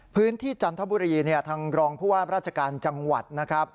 จันทบุรีทางรองผู้ว่าราชการจังหวัดนะครับ